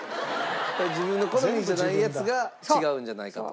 自分の好みじゃないやつが違うんじゃないかと？